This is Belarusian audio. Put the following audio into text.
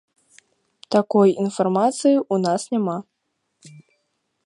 Такой інфармацыі ў нас няма.